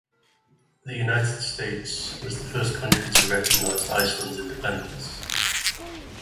The United States was the first country to recognize Iceland’s independence.